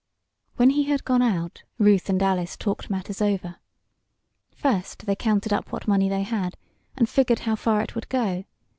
When he had gone out Ruth and Alice talked matters over. First they counted up what money they had, and figured how far it would go.